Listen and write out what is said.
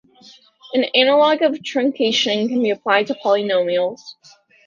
An analogue of truncation can be applied to polynomials.